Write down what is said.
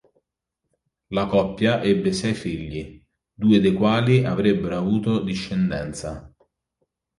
La coppia ebbe sei figli, due dei quali avrebbero avuto discendenza.